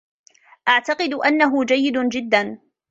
أعتقد أنه جيد جدا.